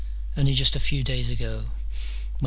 Only just a few days ago, when G.